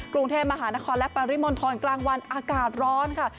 กรุงเทพมหานครและปริมณฑลกลางวันอากาศร้อนค่ะ